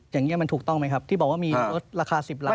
อย่างนี้มันถูกต้องไหมครับที่บอกว่ามีลดราคา๑๐ล้าน